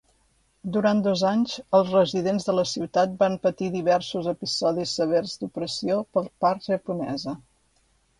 Durant dos anys, els residents de la ciutat van patir diversos episodis severs d'opressió per part japonesa.